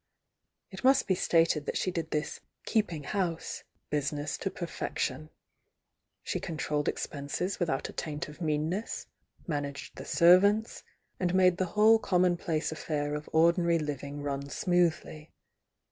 It must be stated that she did this "keeping house" business to perfection, — she controlled expenses without a taint of meanness, managed the servants, and made the whole commonplace affair of ordinary living run smoothly.